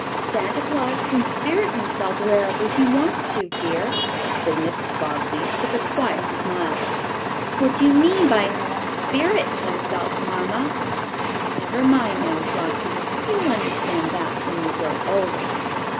"Santa Claus can spirit himself wherever he wants to, dear," said Mrs. Bobbsey, with a quiet smile. "What do you mean by spirit himself, mamma?" "Never mind now, Flossie; you'll understand that when you grow older."